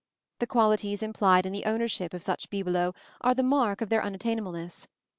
The qualities implied in the ownership of such bibelots are the mark of their unattainableness.